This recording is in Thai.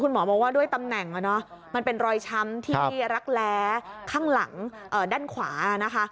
หมอบอกว่าด้วยตำแหน่งมันเป็นรอยช้ำที่รักแร้ข้างหลังด้านขวานะคะ